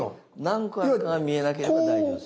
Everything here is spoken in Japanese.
何個あるかが見えなければ大丈夫。